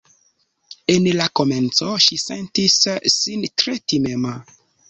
En la komenco ŝi sentis sin tre timema